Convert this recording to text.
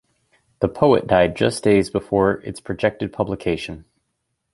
The poet died just days before its projected publication.